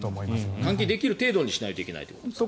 換気できる程度にしないといけないということですか。